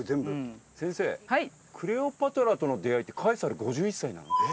先生クレオパトラとの出会いってカエサル５１歳なの？